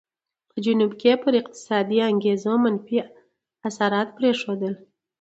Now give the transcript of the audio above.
په جنوب کې یې پر اقتصادي انګېزو منفي اثرات پرېښودل.